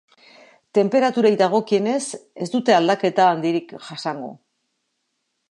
Tenperaturei dagokienez, ez dute aldaketa handirik jasango.